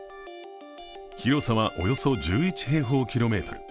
広さはおよそ１１平方キロメートル。